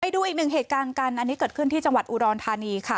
ดูอีกหนึ่งเหตุการณ์กันอันนี้เกิดขึ้นที่จังหวัดอุดรธานีค่ะ